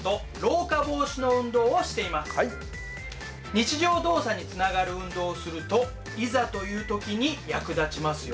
日常動作につながる運動をするといざという時に役立ちますよ。